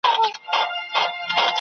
خبرو اترو تل مثبتې پایلي درلودې.